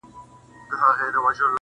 ډاکټر اسرار ولولئ! غني خان واورئ!